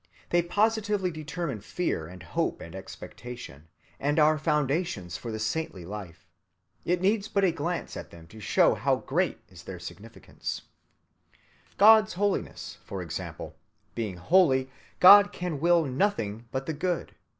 They positively determine fear and hope and expectation, and are foundations for the saintly life. It needs but a glance at them to show how great is their significance. God's holiness, for example: being holy, God can will nothing but the good.